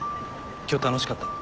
今日楽しかった。